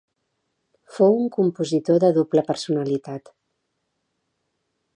Fou un compositor de doble personalitat.